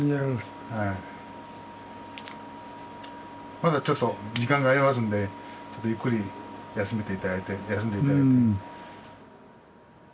まだちょっと時間がありますんでゆっくり休めて頂いて休んで頂いて。